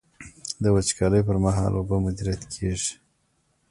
د وچکالۍ پر مهال اوبه مدیریت کیږي.